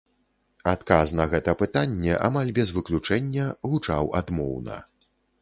Адказ на гэта пытанне, амаль без выключэння, гучаў адмоўна.